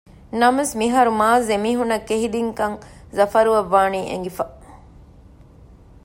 ނަމަވެސް މިހާރު މާޒް އެމީހުންނަށް ކެހި ދިންކަން ޒަފަރުއަށް ވާނީ އެނގިފަ